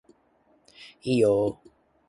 いいよー